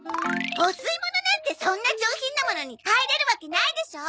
お吸い物なんてそんな上品なものに入れるわけないでしょ！？